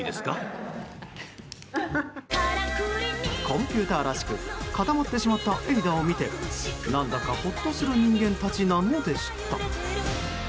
コンピューターらしく固まってしまったエイダを見て何だかほっとする人間たちなのでした。